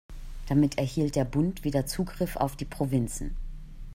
Damit erhielt der Bund wieder Zugriff auf die Provinzen.